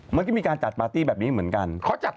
มันก็มีการจัดปาร์ตี้แบบนี้เหมือนกัน